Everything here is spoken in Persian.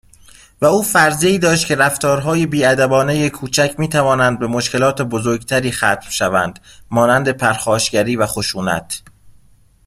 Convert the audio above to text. و او فرضیهای داشت که رفتارهای بیادبانهٔ کوچک میتوانند به مشکلات بزرگتری ختم شوند مانند پرخاشگری و خشونت